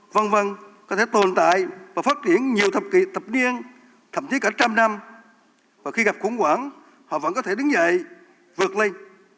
văn văn có thể tồn tại và phát triển nhiều thập niên thậm chí cả trăm năm và khi gặp khủng hoảng họ vẫn có thể đứng dậy vượt lên